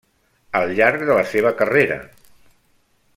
Al llarg de la seva carrera.